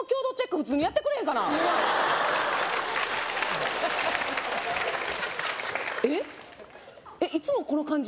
普通にやってくれへんかなえっ？えっいつもこの感じ？